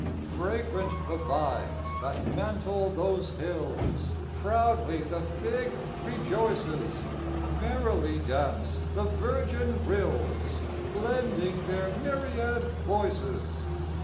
Fragrant the vines that mantle those hills, Proudly the fig rejoices, Merrily dance the virgin rills, Blending their myriad voices.